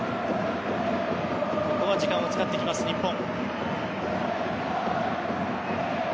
ここは時間を使ってきます、日本。